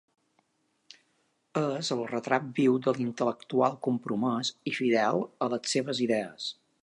És el retrat viu de l'intel·lectual compromès i fidel a les seves idees.